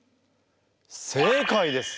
正解です。